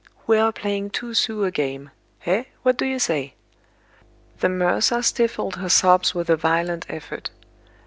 We are playing two sous a game. Eh! What do you say?" The mercer stifled her sobs with a violent effort.